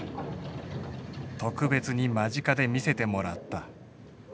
特別に間近で見せてもらった。